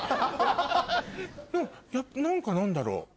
何か何だろう。